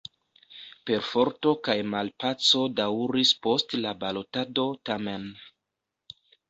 Perforto kaj malpaco daŭris post la balotado tamen.